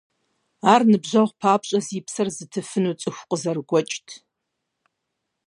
Ар ныбжьэгъу папщӀэ зи псэр зытыфыну цӀыху къызэрыгуэкӀт.